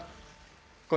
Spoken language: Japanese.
これ。